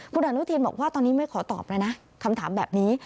คุณอนุทินบอกว่าตอนนี้ไม่ขอตอบแล้วนะคำถามแบบนี้